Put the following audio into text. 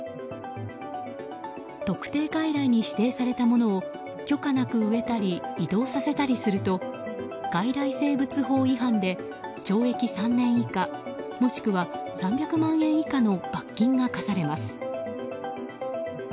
特定外来に指定されたものを許可なく植えたり移動させたりすると外来生物法違反で、懲役３年以下もしくは３００万円以下の罰金が科されます。